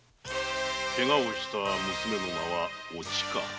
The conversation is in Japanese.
ケガをした娘の名はおちか。